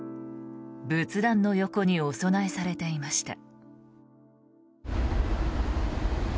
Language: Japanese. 仏壇の横にお供えされていました。